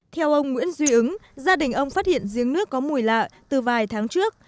theo ông nguyễn duy ứng gia đình ông phát hiện riêng nước có mùi lạ từ vài tháng trước